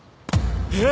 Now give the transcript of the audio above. えっ！？